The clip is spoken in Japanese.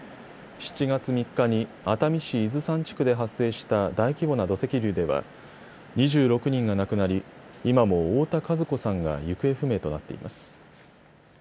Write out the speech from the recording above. ７月３日に熱海市伊豆山地区で発生した大規模な土石流では２６人が亡くなり、今も太田和子さんが行方不明となっています。